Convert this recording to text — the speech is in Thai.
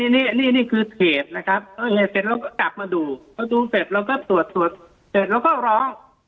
นี่คือเศษนะครับเสร็จเราก็กลับมาดูเสร็จเราก็ร้อง